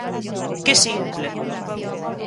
¡Que simple!